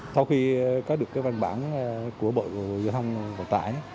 sau khi có được cái văn bản của bộ giao thông vận tải